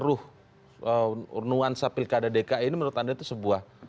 itu adalah perkeruh unguan sapil kd dki ini menurut anda itu sebuah